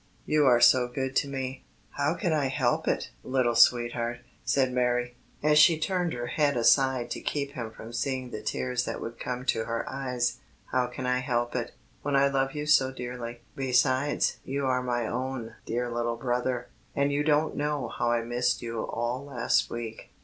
You are so good to me." "How can I help it, little sweetheart!" said Mary, as she turned her head aside to keep him from seeing the tears that would come to her eyes; "how can I help it, when I love you so dearly. Besides, you are my own dear little brother, and you don't know how I missed you all last week."